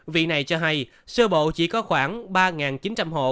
vị này cho hay sơ bộ chỉ có khoảng ba chín trăm linh hộ